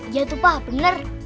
iya tuh pak bener